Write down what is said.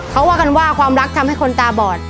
เขาว่ากันว่าความรักทำให้คนตาบอด